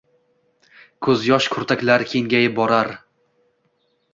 Ko’zyosh kurtaklari kengayib borar